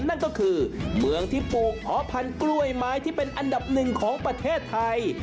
นั่นก็คือเมืองที่ปลูกหอพันธุ์กล้วยไม้ที่เป็นอันดับหนึ่งของประเทศไทย